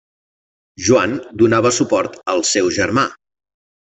Joan donava suport al seu germà.